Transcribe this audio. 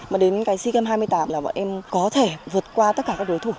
mà đến cái sea games hai mươi tám là bọn em có thể vượt qua tất cả các đối thủ